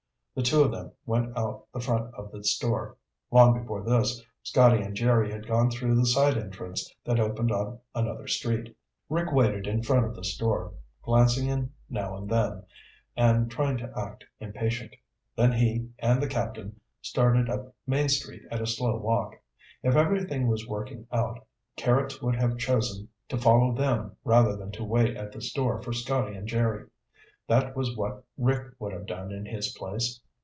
The two of them went out the front of the store. Long before this, Scotty and Jerry had gone through the side entrance that opened on another street. Rick waited in front of the store, glancing in now and then, and trying to act impatient. Then he and the Captain started up Main Street at a slow walk. If everything was working out, Carrots would have chosen to follow them rather than to wait at the store for Scotty and Jerry. That was what Rick would have done in his place.